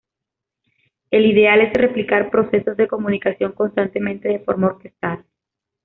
El ideal es replicar procesos de comunicación constantemente de forma orquestada.